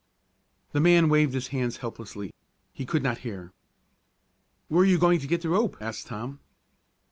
The man waved his hands helplessly. He could not hear. "Where you going to get the rope?" asked Tom.